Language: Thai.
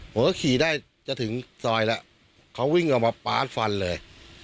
ผมก็ขี่ได้จะถึงซอยแล้วเขาวิ่งออกมาป๊าดฟันเลย